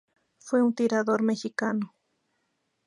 Fue un tirador mexicano.